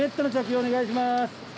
お願いします。